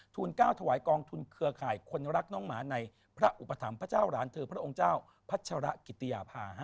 ๙ถวายกองทุนเครือข่ายคนรักน้องหมาในพระอุปถัมภ์พระเจ้าหลานเธอพระองค์เจ้าพัชระกิติยาภา